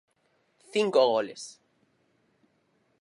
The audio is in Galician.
Cinco goles.